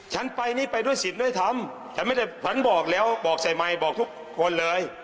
ฉันไปนี่ไปด้วยสิทธิ์ด้วยธรรมฉันไม่ได้ฝันบอกแล้วบอกใส่ไมค์บอกทุกคนเลย